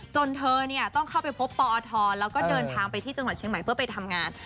เธอต้องเข้าไปพบปอทแล้วก็เดินทางไปที่จังหวัดเชียงใหม่เพื่อไปทำงาน